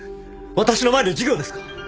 私の前で授業ですか！